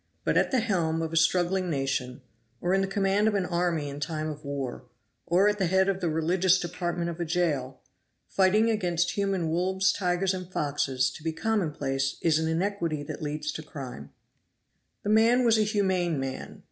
But at the helm of a struggling nation, or in the command of an army in time of war, or at the head of the religious department of a jail, fighting against human wolves, tigers and foxes, to be commonplace is an iniquity and leads to crime. The man was a humane man.